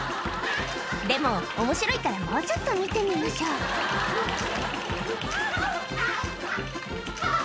でも面白いからもうちょっと見てみましょうあぁあぁ。